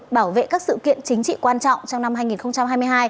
bảo vệ các sự kiện chính trị quan trọng trong năm hai nghìn hai mươi hai